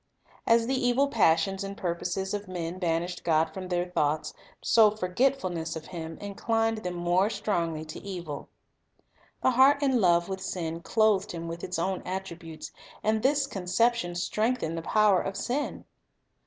As the evil passions and purposes of men banished God from their thoughts, so forgetfulness of Him in clined them more strongly to evil. The heart in love with sin clothed Him with its own attributes, and this conception strengthened the power of sin.